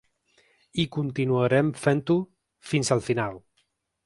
I continuarem fent-ho, fins al final.